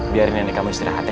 biar nenek kamu istirahat ya